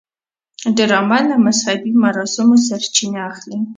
ډرامه له مذهبي مراسمو سرچینه اخلي